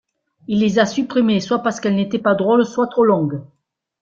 Il les a supprimées soit parce qu'elles n'étaient pas drôles, soit trop longues.